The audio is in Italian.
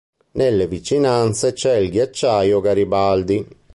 Nelle vicinanze c'è il ghiacciaio Garibaldi.